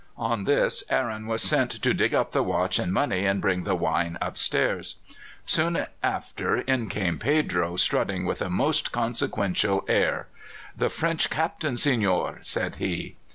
On this Aaron was sent to dig up the watch and money and bring the wine upstairs. Soon after in came Pedro, strutting with a most consequential air. "The French Captain, signore," said he.